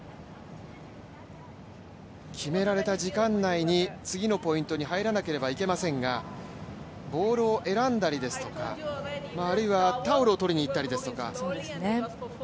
決められた時間内に次のポイントに入らなければいけませんがボールを選んだりですとか、あるいはタオルを取りに行ったりですとか。